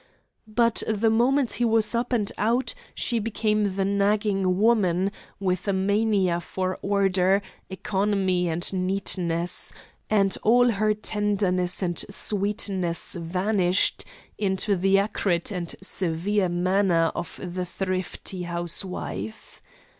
But the moment he was up and out she became the nagging woman, with a mania for order, economy, and neatness; and all her tenderness and sweetness vanished into the acrid and severe manner of the thrifty housewife.